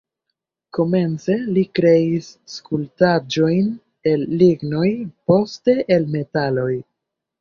Komence li kreis skulptaĵojn el lignoj, poste el metaloj.